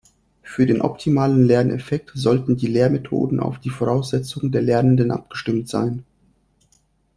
Für den optimalen Lerneffekt sollten die Lehrmethoden auf die Voraussetzungen der Lernenden abgestimmt sein.